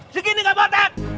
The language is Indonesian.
sekini gak botak